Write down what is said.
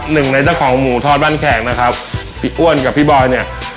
หนึ่งในเจ้าของหมูทอดบ้านแขกนะครับพี่อ้วนกับพี่บอยเนี่ย